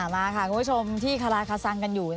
มาค่ะคุณผู้ชมที่คาราคาซังกันอยู่